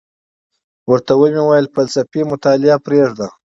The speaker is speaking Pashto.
ورته ومي ویل فلسفي مطالعه پریږده،